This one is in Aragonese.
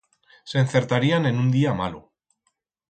S'encertarían en un día malo.